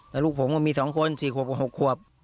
แต่ลูกผมมี๒คน๔ขวบ๖ขวบ